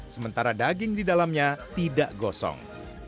sementara daging di dalamnya tidak gosong